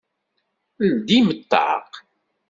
Ldim ṭṭaq!